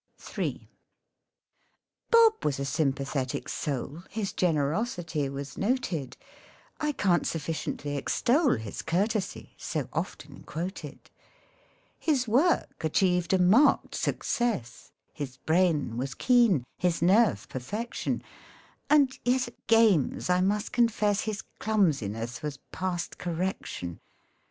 82 MEN I MIGHT HAVE MARRIED III BOB was a sympathetic soul, His generosity was noted ; I can't sufficiently extol His courtesy, so often quoted. His work achieved a marked success, His brain was keen, his nerve perfection, And yet at games I must confess His clumsiness was past correction.